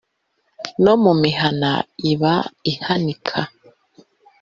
No mu mihana iba ihanika